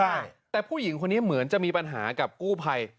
ใช่แต่ผู้หญิงคนนี้เหมือนจะมีปัญหากับกู้ภัย